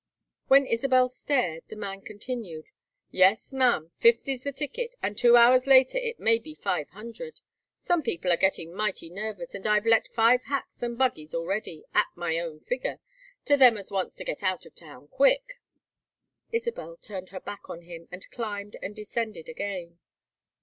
When Isabel stared, the man continued: "Yes, ma'am! Fifty's the ticket. And two hours later it may be five hundred. Some people are getting mighty nervous, and I've let five hacks and buggies already, at my own figure, to them as wants to get out of town quick." Isabel turned her back on him, and climbed and descended again.